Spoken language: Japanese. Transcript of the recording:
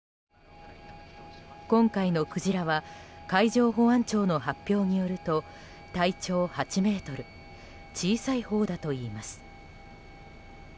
今回のクジラは海上保安庁の発表によると体長８ｍ小さいほうだといいます。